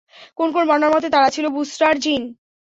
কোন কোন বর্ণনা মতে, তারা ছিল বুসরার জিন।